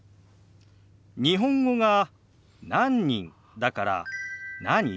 日本語が「何人」だから「何？」